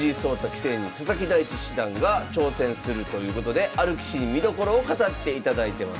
棋聖に佐々木大地七段が挑戦するということである棋士に見どころを語っていただいてます。